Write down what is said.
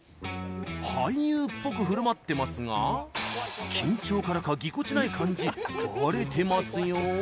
俳優っぽく振る舞ってますが緊張からか、ぎこちない感じばれてますよ。